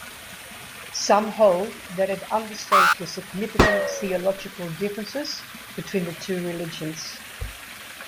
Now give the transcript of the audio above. Some hold that it understates the significant theological differences between the two religions.